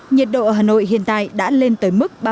nhiệt độ ở hà nội hiện tại đã lên tới mức ba mươi ba ba mươi năm độ